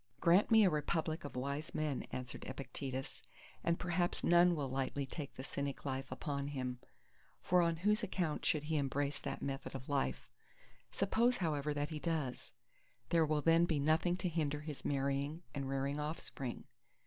Grant me a republic of wise men, answered Epictetus, and perhaps none will lightly take the Cynic life upon him. For on whose account should he embrace that method of life? Suppose however that he does, there will then be nothing to hinder his marrying and rearing offspring.